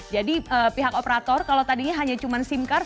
jadi pihak operator kalau tadinya hanya cuma sim card